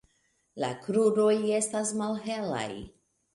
La kruroj estas malhelaj.